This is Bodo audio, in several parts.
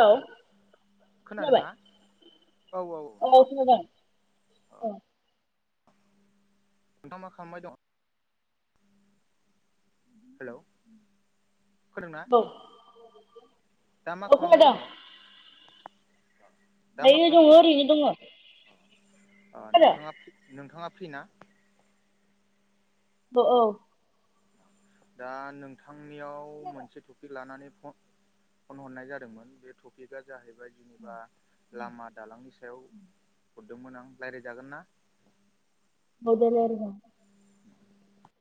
औे। औ खोनाबाय खोनादोंना? औ औ। औ। नोंथां मा खालामबाय दं? हेल' फोरदोंना? औ दा मा औ खालामबाय खोनादों दङ? दा मा दायो जों खालामनाय दङ ओरैनो नोंथाङा खोनादों नोंथाङा फ्रि ना? औ। दा नोंथांनियाव खोनादों मोनसे टपिक लानानै फन फन हरनाय जादोंमोन बे टपिकआ जाहैबाय जेनेबा लामा दालांनि सायाव हरदोंमोन आं रायज्लायजागोन ना? मदल आरोबा [inaudible]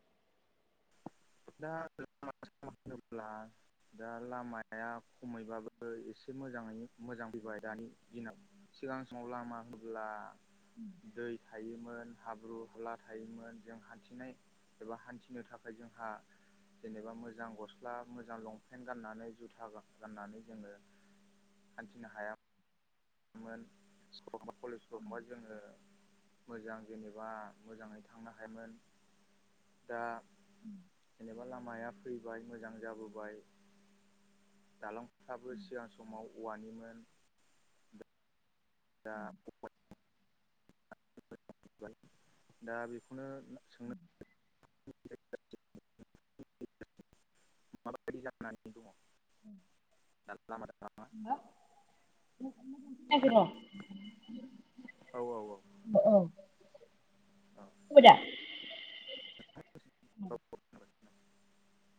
[unintelligible] दा लामाया खमैबाबो एसे मोजाङैनो मोजां फैबाय दानि दिनाव सिगां सं लामाफोरा उ [inaudible] दै थायोमोन हाब्रु हाला थायोमोन जों हान्थिनाय एबा हान्थिनो थाखाय जों हा जेनेबा मोजां गस्ला मोजां लंपेन्ट गाननानै जुथा गाननानै जोङो हान्थिनो हायाामोनामोन स्कुलबा कलेजफोरावखमबा जोङो। मोजां जेनेबा मोजाङै थांनो हायोमोन दा जेनेबा लामाया फैबाय मोजां जाबोबाय दालां हाबो सिगां समाव औवानिमोन। दा दा बेखौनो सोंनो मा बायदि जानानै [unintelligible] खोनायाखै खोनादों [unintelligible] औ औ औ। औ। खोनाबाय [unintelligible]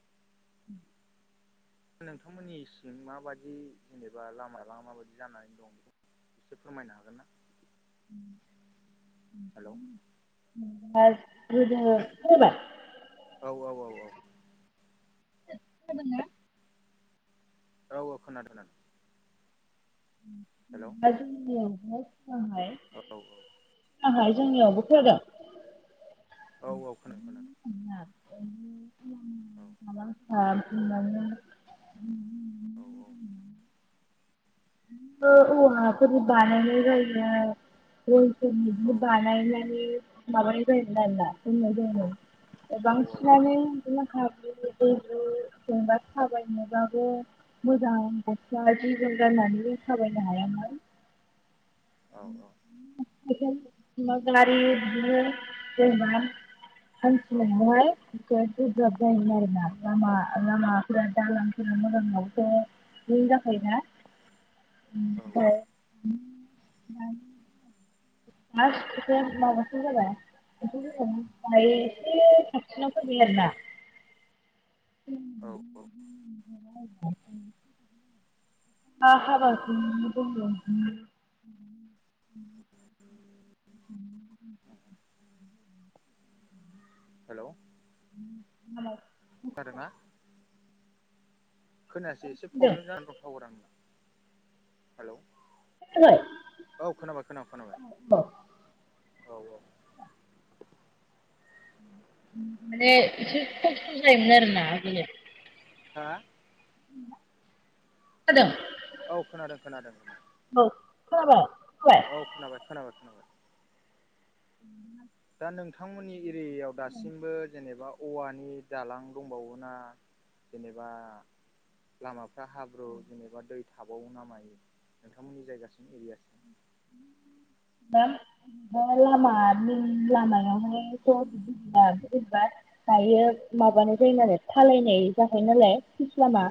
नोंथांमोननि सिं माबायदि जेनेबा लामा लां माबायदि जानानै दं बे एसे फोरमायनो हागोन ना? हेलौ [unintelligible] गोदोनि औ औ औ औ। [unintelligible] औ औ खोनादों दा? हेलौ। औ औ औ जोंनियावहाय जोंनियावबो खोनादों। औ औ खोनादों खोनादों। औ [inaudible] औ औ। औवा फोरनि‌ बानायनाय जायो। [inaudible] बानायनायनि माबानाय जायोमोन आरो ना बुंनाय [inaudible] बांसिनानो बिदिनो खाबु दैबु जेनेबा थाबायनोबाबो मोजां [unintelligible] गाननानैल थाबायनो हायामोन। औ औ गारि बिदिनो दैबान हानथिनायावहाय गोब्राब जायोमोन आरो ना लामा लामाफोराफोरा दालां [unintelligible] नि जाखायोना औ औ ओमफ्राय [unintelligible] जाबाय [unintelligible] औ आ हाबा [unintelligible] [unintelligible] हेलौ उम आरो ना खोनायासै एसे प्रब्लेम जानानै दंथावर नोंना हेलौ खोनाबाय? औ खोनाबाय खोनाबाय खोनाबाय औ औ माने एसे खस्थ' जायोमोन आरोोना आगोलो। हा हेल' औ खोनादों खोनादों खोनादों औ खोनाबाय खोनाबाय खोनादों औ खोनाबाय खोनाबाय खोनाबाय [inaudible] दा नोंथांमोननि एरियायाव दासिमबो जेनेबा औवानि दालां दंबावोना जेनेबा लामाफ्रा हाब्रु जेनेबा दै थाबावो ना मायो नोंथांमोननि जायगासिम एरियासिम? लामानि लामायावहायथ बि गला बोरैबा [unintelligible] दायो माबानाय जायो आरो थालायनाय जाखायो नालाय। फस औ लामा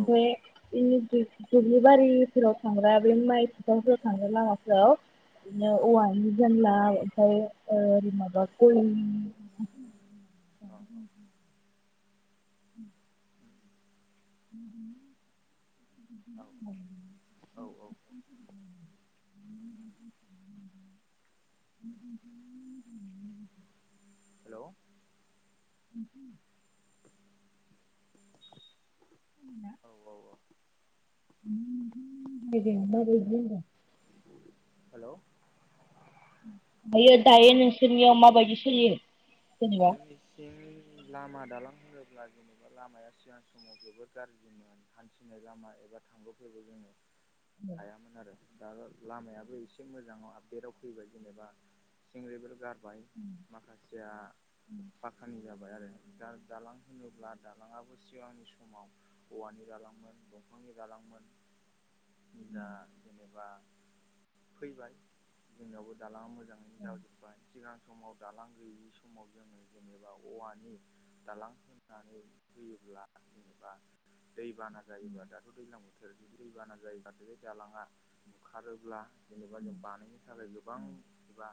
औ औ बेमफ्राय दुब्लि बारिफोराव थांग्रा बेनो माइ [unintelligible] थांग्रा लामाफोरावर बिदिनो औवानि जानला ओमफफ्राय ओै माबा [unintelligible] गय अ उम औ औ औ हेल' उम औ [unintelligible] औ औ [unintelligible] हेल' दायो दायो नोंसोरनियाव माबायदि सोलियो? जेनेबा जोंनि थिं लामा दालां होनोब्ला जेनेबा लामाया सिगां समाव जोबोर गाज्रिमोन। हान्थिनाय लामा एबा थांगलौफोरबो जोङो हायामोन आरो। दा लामायाबो एसे मोजाङाव आपदेटआव फैबाय जेनेबा थंलि बे गार जाबाय माखासेया फाखानि जाबाय आरो दा दालां होनोब्ला दालाङाबो सिगांनि समाव औवानि दालांमोन दंफांनि दालांमोन। दा जेनेबा फैबाय जोंनियावबो दालाङा मोजां मोजाङैनो जाजोबबाय सिगां समाव दालां गैयि समाव जोङो जेनेबा औवानि दालां होनानै होयोब्ला जेनेबा दैबाना जायोबा दाथ' दैज्लां बोथोर जुदि दैबाना जायोबाथ' बे दालाङा बुखारोब्ला जेनेबा जों बानायनो थाखाय गोबां एबा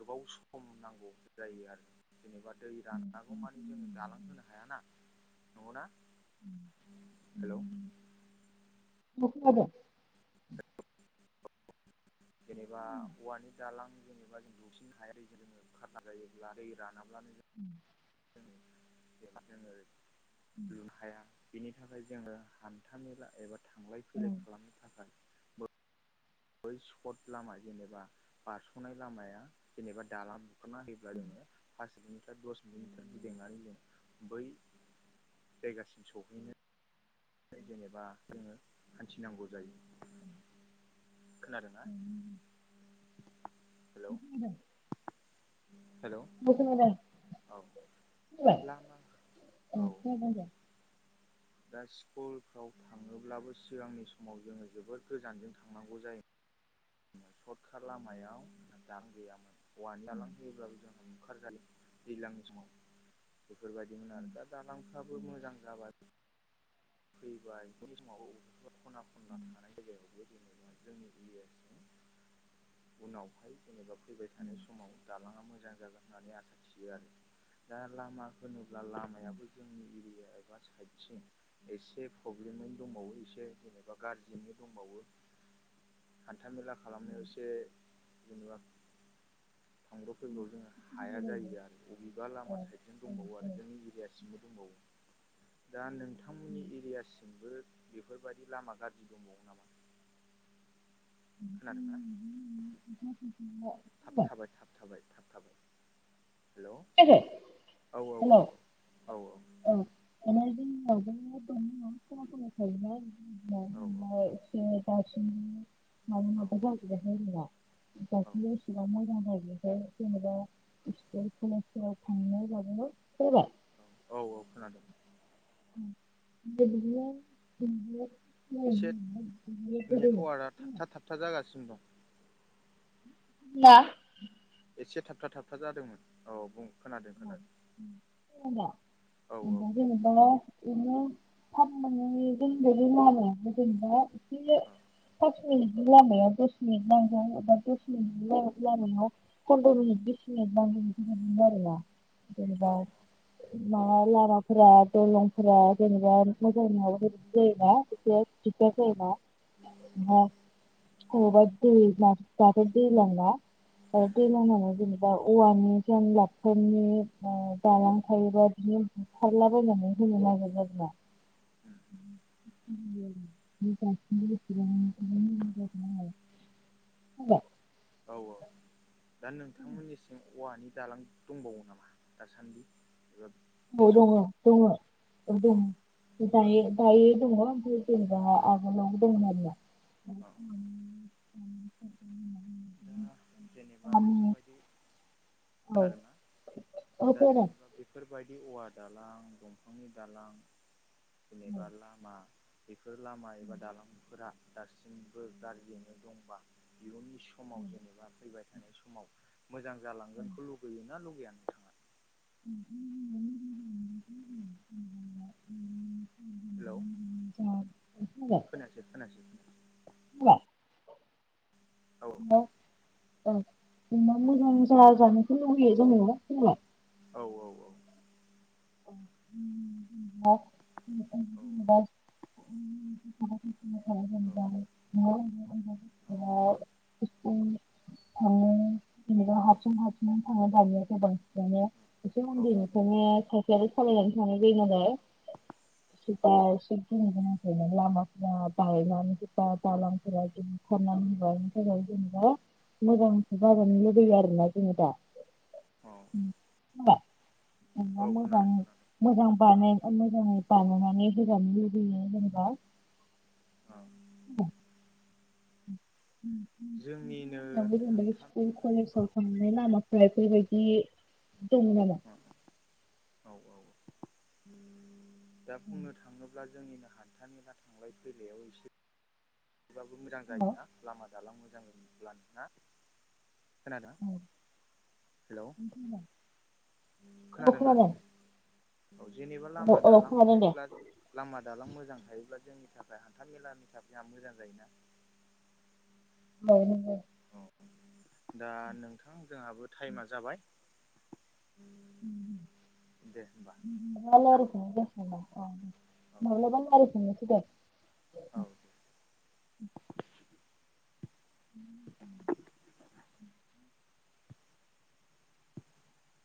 गोबाव सम नांगौ जायो आरो जेनेबा दै राननांगौ मानि जोङो जालांहोनो हायाना नङ ना हेलौ। मख द [unintelligible] जेनेबा औवानि दालां जेनेबा जों दुसिनो हायारि जोङो खारना जायोब्ला दै रानाब्लानो उ [inaudible] ज जोङो लुन हाया बेनि थाखाय जोङो हान्था मेला एबा थांलाय औ फैलाय खालामनो थाखाय बै सर्ट लामा जेनेबा बारस'नाय लामाया जेनेबा दालां ह गि में हासि दस्त [unintelligible] बेनि थखिदिंनानै जों बै जायगासिम सहैनो जेनेबा जोङो हान्थिनांगौ जायो। खोनादों ना खोनादों हेल' हेलौ खोनाबाय औ लामा औ खोनादों दे दा स्कुलफ्राव थाङोब्लाबो सिगांनि समाव जोङो जोबोद गोजानजों थांनांगौ जायो। सर्टक लामायाव दालां गैयामोन औवानि दालां होयोब्लाबो जोंहा बुखारजायो। दैलांनि समाव बेफोरबायदिमोन आरो दा दालांफ्राबो मोजां जाबाय। फैबाय बे समाव बबेबा खना खनला थानाय जायगायावबो जेनेबा जोंनि एरिया सिङाव उनावहाय जेनेबा फैबाय थानाय समाव जालाङा मोजां जागोन होननानै आसा थियो आरो दा लामा होनोब्ला लामायाबो जोंनि एरिया एबा साइड सिं एसे प्रब्लेमैनो दंबावो एसे जेनेबा गाज्रियैनो दंबावो हान्थामेला खालामनायाव एसे जेनेबा थांब्र' फैब्रआव जों हाया जायो आरो बबेबा लामा साइदजों दंबावो आरो जोंनि एरियासिमबो दंबावो दा नों नोंथांमोननि एरियासिमबो बेफोर बादि लामा गाज्रि दंबावो नामा? खोनादोंना थाब थाबाय थाब थाब थाबाय थाब थाबाय हेलौ खोनायाखै औ औ औ हेल' औ औ औ। माने जोंनियावबो [unintelligible] औ औ। [unintelligible] दासिम माने माबा जाजोबाखै आरो ना औ दासामबो इसिबां मोजां जाजोबाखै जेनेबा [unintelligible] कलेजफोराव थांनो बाबो फैबाय औ औ औ खोनादों। [unintelligible] एसे नेटवार्कआ थाबथा थाबथा जागासिनो दं। [unintelligible] एसे थाबथा थाबथा जादोंमोन औ बुं खोनादों औ खोनादों औ खोनादोंना औ दा जेनेबा बिदिनो [unintelligible] जेनेबा एसे [unintelligible] लामाया दस मिनिट नांगौ एबा दस मिनिटनि लामाया [unintelligible] फन्द्र' मिनिट बिस मिनिट [unintelligible] आरोना औ जेनेबा माबा लामाफोरा दलंफोरा जेनेबा मोजां नङाबाथ' जायो ना इसे दिगदार जायो ना [unintelligible] अबवबा दै दाथ' दैलां ना आरो दै लामायाव जेनेबा औवानि जेनलाब फोरनि दालां थायोबा बिदिनो बुखारलाबायनानै होनो नागिरो आरो ना उम [unintelligible] औ औ दा नोंथांमोननिसिम औवानि दालां दंबावो नामा दासान्दि? बे औ दङ समाव दङ औ अ दङ दायो दायो दङ ओमफ्राय जेनेबा आगोलावबो दङमोन आरोना। [unintelligible] दा [unintelligible] जेनेबा गामि बेफोरबायदि औ खोनादों ना औ दा जेनेबा बेफोरबायदि औवा दालां दंफांनि दालां जेनेबा लामा बेफोर लामा एबा खोनादों दालांफोरा दासिमबो गाज्रियैनो दंबा इयुननि समाव जेनेबा फैबाय थानाय समाव मोजां जालांगोनखौ लुगैयोना लुगैया? नोंथाङा [unintelligible] हेलौ जा फैबाय खोनायासै खोनायासै फैबाय औ औ ना मोजां जाया जानोखौ लुुबैयो जों ना [unintelligible] औ औ औ [unintelligible] [unintelligible] थाङो बिेनेबा हारसिं हारसिंनो थाङो दानिया गोबांसिनानो एसे औ औ मन्दिरनिखायनो साइसे सलायनानै थांनाय जायो नालाय। [inaudible] [unintelligible] लामाफोरा बायनानै जे दालांफोरा जुदि [unintelligible] रनानै होनबाय बेनि थाखाय जेनेबा मोजां जाजानो लुुबैयो आरोना जोङो दा। औ औ [unintelligible] खोनादों खोनादों मोजां बानाय मोजाङै बानायनानै होजानो लुुबैयो जेनेबा औ [unintelligible] जोंनिनो गोब हान्था स्कुल औ कलेजाव थांनाय लामा मफ्रायखैबायदि दं नामा औ औ दा बुंनो थाङोब्ला ब्ला जोंनिनो हान्थानि बा थांलाय फैलायाव एसे थबाबो मोजां जायो हेल' ना लामा दालां मोजां ब्लानो ना? खोनादों हेल' औ खोनादोंना खोनादों औ जेनेबा औ लामा औ दालां खोनादों दे थायोब्ला लामा दालां मोजां थायोब्ला जोंनि थाखाय हान्था मेलानि थाखाय मोजां जायोना? [unintelligible] दा नोंथां जोंहाबो टाइमा जाबाय दे होमबा ना [inaudible] औ दे [unintelligible] औ [inaudible]